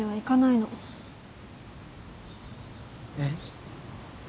えっ？